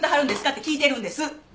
って聞いてるんです！